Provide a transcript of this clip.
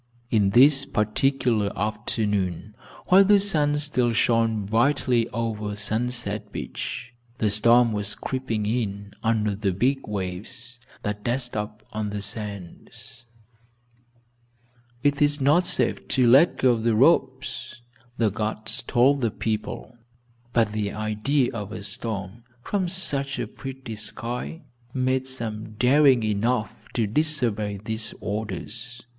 On this particular afternoon, while the sun still shone brightly over Sunset Beach, the storm was creeping in under the big waves that dashed up on the sands. "It is not safe to let go the ropes," the guards told the people, but the idea of a storm, from such a pretty sky, made some daring enough to disobey these orders.